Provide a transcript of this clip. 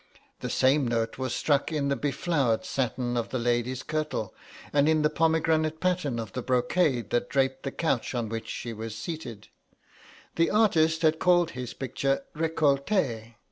The same note was struck in the beflowered satin of the lady's kirtle, and in the pomegranate pattern of the brocade that draped the couch on which she was seated. The artist had called his picture "Recolte."